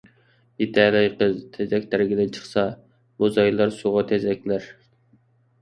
بىتەلەي قىز تېزەك تەرگىلى چىقسا، موزايلار سۇغا تېزەكلەر.